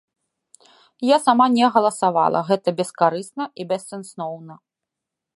Я сама не галасавала, гэта бескарысна і бессэнсоўна.